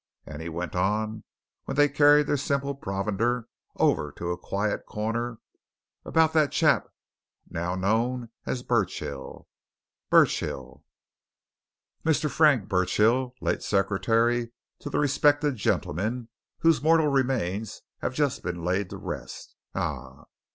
And," he went on, when they had carried their simple provender over to a quiet corner, "about that chap now known as Burchill Burchill. Mr. Frank Burchill; late secretary to the respected gentleman whose mortal remains have just been laid to rest. Ah!"